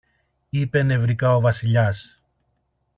είπε νευρικά ο Βασιλιάς.